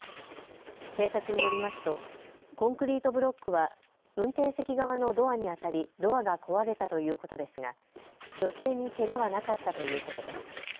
警察によりますとコンクリートブロックは運転席側のドアに当たりドアが壊れたということですが女性にけがはなかったということです。